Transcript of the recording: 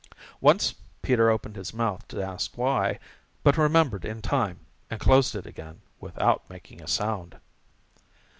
Once Peter opened his mouth to ask why, but remembered in time and closed it again without making a sound.